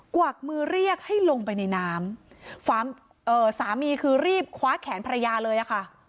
วักมือเรียกให้ลงไปในน้ำเอ่อสามีคือรีบคว้าแขนภรรยาเลยอะค่ะ